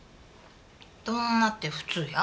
どんなって普通や。